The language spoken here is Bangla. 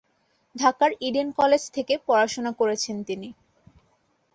ঢাকার ইডেন কলেজ থেকে পড়াশোনা করেছেন তিনি।